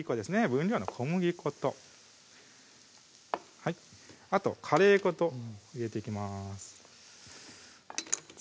分量の小麦粉とあとカレー粉と入れていきます